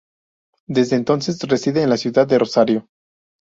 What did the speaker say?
Desde entonces reside en la ciudad de Rosario.